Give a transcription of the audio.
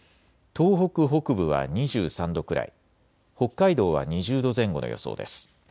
東北北部は２３度くらい、北海道は２０度前後の予想です。